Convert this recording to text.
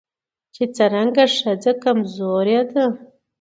چې څرنګه ښځه کمزورې ده